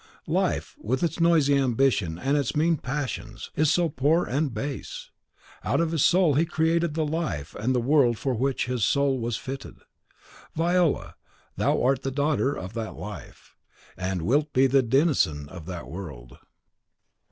Life, with its noisy ambition and its mean passions, is so poor and base! Out of his soul he created the life and the world for which his soul was fitted. Viola, thou art the daughter of that life, and wilt be the denizen of that world."